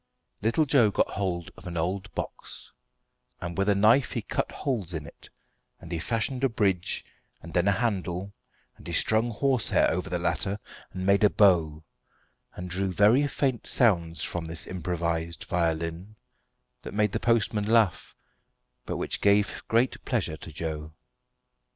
Little Joe got hold of an old box, and with a knife he cut holes in it; and he fashioned a bridge, and then a handle, and he strung horsehair over the latter, and made a bow, and drew very faint sounds from this improvised violin, that made the postman laugh, but which gave great pleasure to Joe.